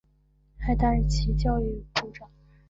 还担任其教育部长。